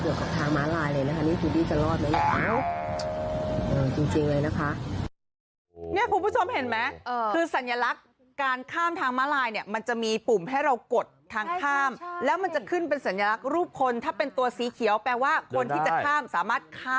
รถผ่านเลยนะคะโหไม่มีใครให้ความสำคัญเกี่ยวกับทางมลายเลยนะคะ